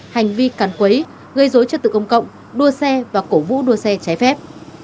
hành vi càn quấy gây rối trật tự công cộng đua xe và cổ vũ đua xe trái phép